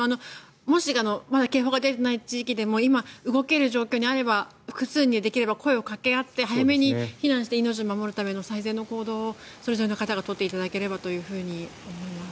もしまだ警報が出ていない地域でも今、動ける状況にあれば声をかけ合って早めに避難するための命を守るための最善の行動をそれぞれの方が取っていただければと思います。